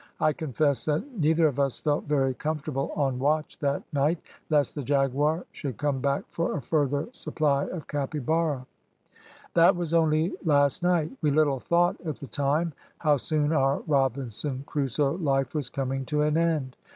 I confess that neither of us felt very comfortable on watch that night, lest the jaguar should come back for a further supply of capybara. "That was only last night; we little thought at the time how soon our Robinson Crusoe life was coming to an end.